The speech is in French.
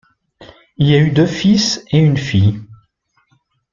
Il a eu deux fils et une fille.